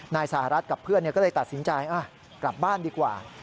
นายสหรัฐกับเพื่อนก็เลยตัดสินใจกลับบ้านดีกว่า